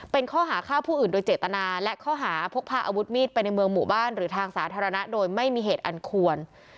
เป็นข้อหาฆ่าผู้อื่นโดยเจตนาและข้อหาพกพาอาวุธมีดไปในเมืองหมู่บ้านหรือทางสาธารณะโดยไม่มีเหตุอันควร